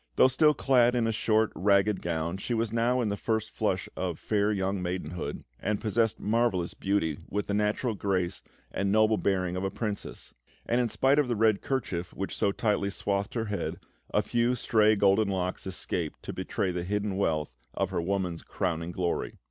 Though still clad in a short, ragged gown, she was now in the first flush of fair young maidenhood, and possessed marvellous beauty, with the natural grace and noble bearing of a Princess; and in spite of the red kerchief which so tightly swathed her head, a few stray golden locks escaped to betray the hidden wealth of her woman's crowning glory.